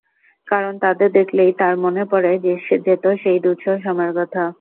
কারণ, তাদের দেখলেই তাঁর মনে পড়ে যেত সেই দুঃসহ সময়ের কথা।